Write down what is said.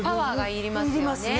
いりますね。